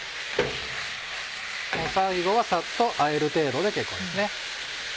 最後はサッとあえる程度で結構ですね。